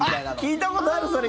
聞いたことある、それ！